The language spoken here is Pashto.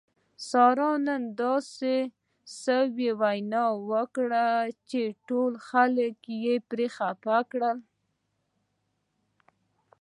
سارې نن داسې سوې وینا وکړله چې ټول خلک یې پرې خپه کړل.